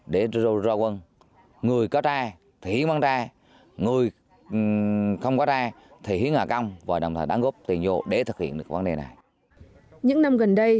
đoạn sông thu bồn